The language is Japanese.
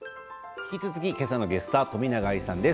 引き続き、今朝のゲストは冨永愛さんです。